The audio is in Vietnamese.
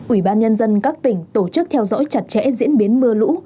ủy ban nhân dân các tỉnh tổ chức theo dõi chặt chẽ diễn biến mưa lũ